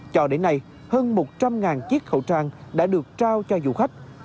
cho đến nay hơn một trăm linh chiếc khẩu trang đã được trao cho du khách